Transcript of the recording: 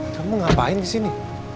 kamu ngapain disini